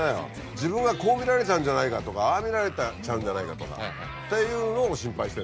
自分がこう見られちゃうんじゃないかとかああ見られちゃうんじゃないかとかっていうのを心配してんだよ。